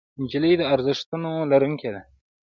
نجلۍ د ارزښتونو لرونکې ده.